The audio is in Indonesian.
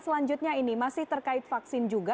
selanjutnya ini masih terkait vaksin juga